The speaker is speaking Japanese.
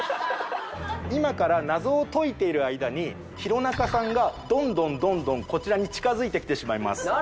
今から謎を解いている間に弘中さんがどんどんどんどんこちらに近づいてきてしまいます。